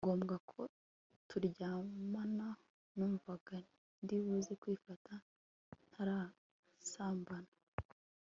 ngombwa ko turyamana numvaga ndibuze kwifata ntarasambana